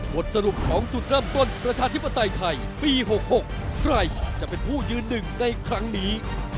บทสรุปของจุดเริ่มต้นประชาธิปไตยไทยปี๖๖ใครจะเป็นผู้ยืนหนึ่งในครั้งนี้